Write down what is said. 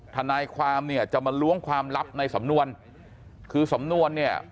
ทนายความเนี่ยจะมาล้วงความลับในสำนวนคือสำนวนเนี่ย